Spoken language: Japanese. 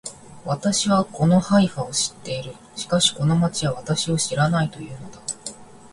私はこのハイファを知っている。しかしこの町は私を知らないと言うのだ